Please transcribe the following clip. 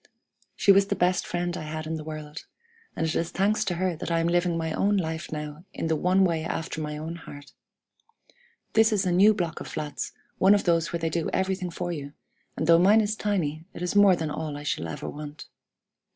She was the best friend I had in the world, and it is thanks to her that I am living my own life now in the one way after my own heart. This is a new block of flats, one of those where they do everything for you; and though mine is tiny, it is more than all I shall ever want.